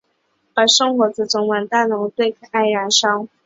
而圣火则整晚于大会堂对开燃烧。